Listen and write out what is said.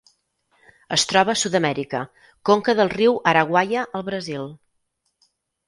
Es troba a Sud-amèrica: conca del riu Araguaia al Brasil.